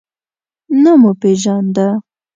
نه مو پیژانده.